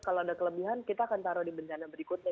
kalau ada kelebihan kita akan taruh di bencana berikutnya